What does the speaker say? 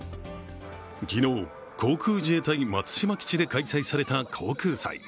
昨日、航空自衛隊松島基地で開催された航空祭。